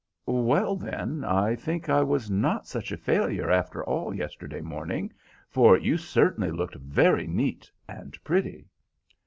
"Well, then, I think I was not such a failure after all yesterday morning, for you certainly looked very neat and pretty."